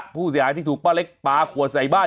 ผู้เสียหายที่ถูกป้าเล็กปลาขวดใส่บ้าน